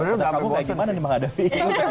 pertanyaan pertanyaan kamu kayak gimana nih maka devi